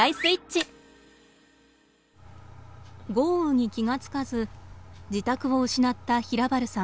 豪雨に気がつかず自宅を失った平原さん。